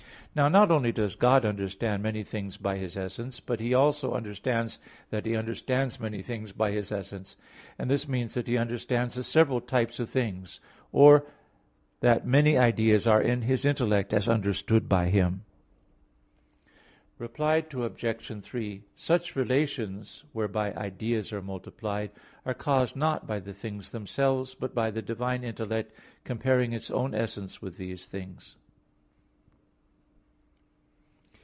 Now not only does God understand many things by His essence, but He also understands that He understands many things by His essence. And this means that He understands the several types of things; or that many ideas are in His intellect as understood by Him. Reply Obj. 3: Such relations, whereby ideas are multiplied, are caused not by the things themselves, but by the divine intellect comparing its own essence with these things.